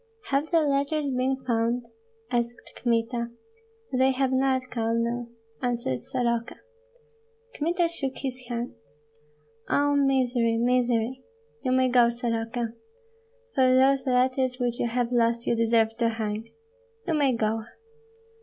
"Have the letters been found?" asked Kmita. "They have not, Colonel," answered Soroka. Kmita shook his hands. "Oh, misery, misery! You may go, Soroka. For those letters which you have lost you deserve to hang. You may go.